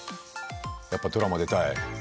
やっぱドラマ出たい？